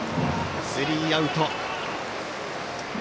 スリーアウト。